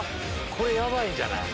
これヤバいんじゃない？